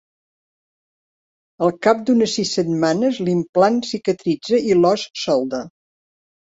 Al cap d'unes sis setmanes l'implant cicatritza i l'os solda.